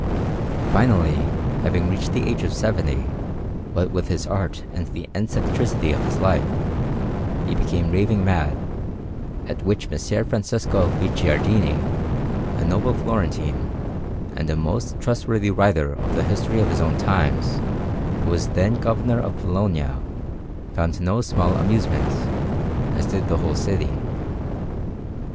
Finally, having reached the age of seventy, what with his art and the eccentricity of his life, he became raving mad, at which Messer Francesco Guicciardini, a noble Florentine, and a most trustworthy writer of the history of his own times, who was then Governor of Bologna, found no small amusement, as did the whole city.